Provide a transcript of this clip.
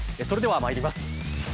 それではまいります。